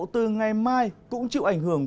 từ ngày mai cũng chịu ảnh hưởng